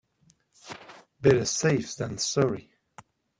Better safe than sorry.